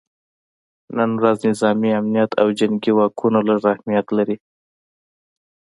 نن ورځ نظامي امنیت او جنګي واکونه لږ اهمیت لري